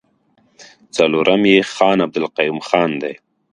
څلورم يې خان عبدالقيوم خان دی.